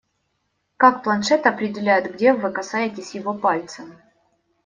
Как планшет определяет, где вы касаетесь его пальцем?